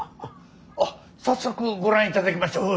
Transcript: あっ早速ご覧いただきましょう。